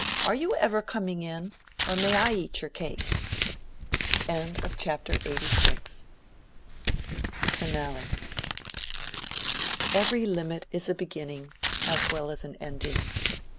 are you ever coming in?—or may I eat your cake?" FINALE. Every limit is a beginning as well as an ending.